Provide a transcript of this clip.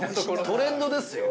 ◆トレンドですよ！